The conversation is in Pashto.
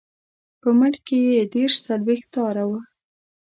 په مټ کې یې دېرش څلویښت تاره وه.